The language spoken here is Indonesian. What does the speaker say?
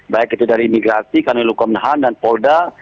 baik itu dari imigrasi kanilukom nahan dan polda